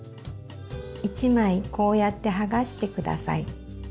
一枚こうやって剥がして下さい。